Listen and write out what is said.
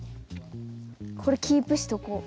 これキープしとこう。